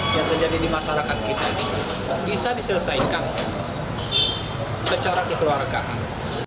yang terjadi di masyarakat kita ini bisa diselesaikan secara kekeluargaan